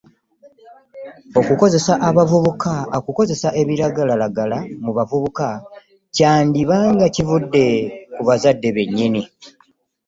Okukozesa ebiragalalagala mu bavubuka kyandiba nga kivudde ku bazadde bennyini.